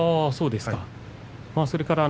そうですか。